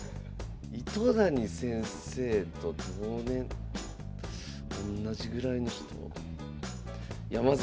糸谷先生と同年代同じぐらいの人？